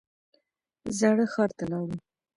زاړه ښار ته لاړو.